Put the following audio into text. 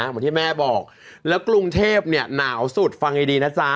เหมือนที่แม่บอกแล้วกรุงเทพเนี่ยหนาวสุดฟังให้ดีนะจ๊ะ